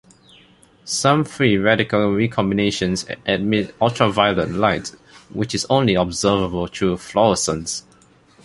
Some free radical recombinations emit ultraviolet light, which is only observable through fluorescence.